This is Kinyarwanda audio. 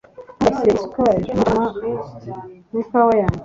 Ntugashyire isukari mu ikawa yanjye.